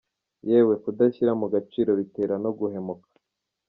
Yewe “kudashyira mu gaciro” bitera no guhemuka!